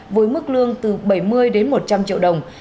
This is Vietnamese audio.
với mức lương từ bảy mươi đến một trăm linh triệu đồng